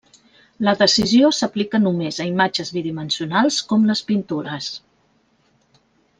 La decisió s'aplica només a imatges bidimensionals com les pintures.